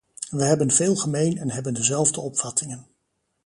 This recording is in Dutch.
Wij hebben veel gemeen en hebben dezelfde opvattingen.